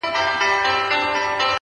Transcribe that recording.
كه دي زما ديدن ياديږي،